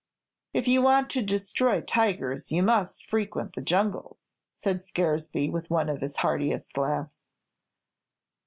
"If you want to destroy tigers, you must frequent the jungle," said Scaresby, with one of his heartiest laughs.